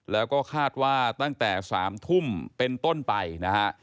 แล้วก็คาดว่าตั้งแต่๓ทุ่มเป็นต้นไปนะฮะ